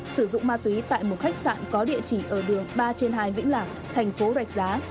sử dụng ma túy tại một khách sạn có địa chỉ ở đường ba trên hai vĩnh lạc thành phố rạch giá